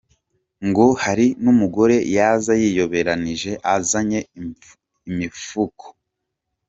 Ngo hari n'umugore yaza yiyoberanije azanye imifuko.